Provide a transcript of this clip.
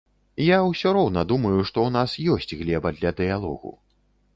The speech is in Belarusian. Я усё роўна думаю, што ў нас ёсць глеба для дыялогу.